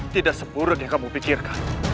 tidak sepuruk yang kamu pikirkan